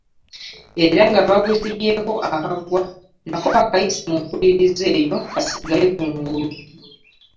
Era nga bagusibyeko akagwa, nako bakayise mu mpulirizo eyo kasigale kungulu.